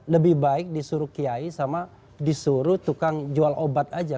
lebih baik disuruh kiai sama disuruh tukang jual obat aja